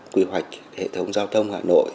quy hoạch hệ thống giao thông hà nội